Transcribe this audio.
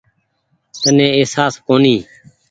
تني اهساس ڪونيٚ ۔